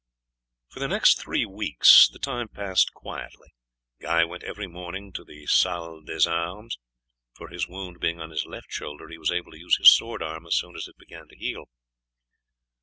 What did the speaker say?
For the next three weeks the time passed quietly. Guy went every morning to the salle d'armes, for his wound being on his left shoulder he was able to use his sword arm as soon as it began to heal.